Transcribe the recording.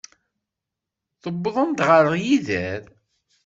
Tewwḍem ɣer yider.